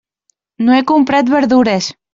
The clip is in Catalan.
No he comprat verdures.